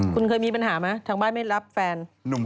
คุณเคยมีปัญหาไหมทางบ้านไม่รับแฟนหนุ่ม